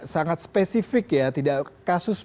sangat spesifik tidak kasus